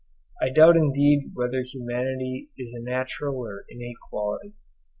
I doubt indeed whether humanity is a natural or innate quality.